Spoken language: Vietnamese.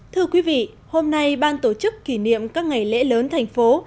thưa quý vị hôm nay ban tổ chức kỷ niệm các ngày lễ lớn thành phố